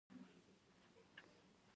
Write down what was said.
د کندز په قلعه ذال کې د څه شي نښې دي؟